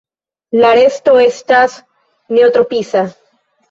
La resto estas neotropisa.